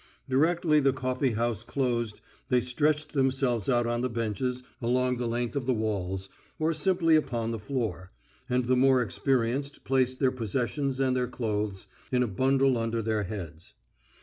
Directly the coffee house closed they stretched themselves out on the benches along the length of the walls, or simply upon the floor, and the more experienced placed their possessions and their clothes in a bundle under their heads.